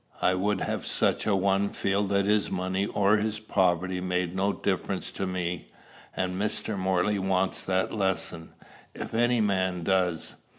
I would have such a one feel that his money or his poverty made no difference to me; and Mr. Morley wants that lesson, if any man does.